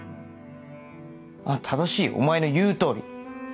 ああ正しいよお前の言う通り。